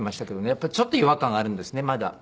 やっぱりちょっと違和感があるんですねまだ。